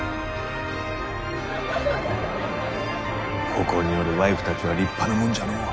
ここにおるワイフたちは立派なもんじゃのう。